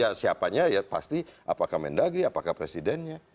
ya siapanya ya pasti apakah mendagri apakah presidennya